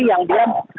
yang dia mengaku